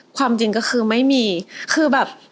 ความจริงก็คือไม่มีคือแบบ